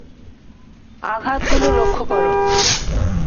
আঘাতগুলো লক্ষ্য করো।